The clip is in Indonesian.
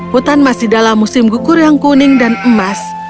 hutan masih dalam musim gugur yang kuning dan emas